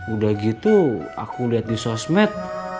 udah gitu aku lihat di sosmed